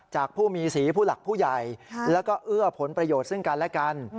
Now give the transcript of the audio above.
จากผู้มีสีผู้หลักผู้ใหญ่แล้วก็เอื้อผลประโยชน์ซึ่งกันและกัน